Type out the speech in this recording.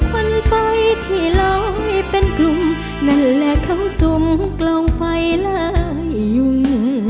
วันไฟที่ล้อยเป็นกลุ่มนั่นแหละเข้าสมกล่องไฟละยุ่ง